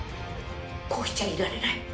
こうしちゃいられない。